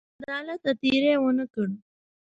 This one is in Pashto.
له عدالته تېری ونه کړ.